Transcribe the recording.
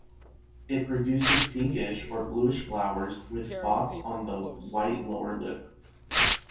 It produces pinkish or bluish flowers with spots on the white lower lip.